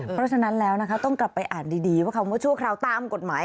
เพราะฉะนั้นแล้วนะคะต้องกลับไปอ่านดีว่าคำว่าชั่วคราวตามกฎหมาย